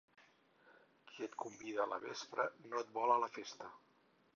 Qui et convida a la vespra no et vol a la festa.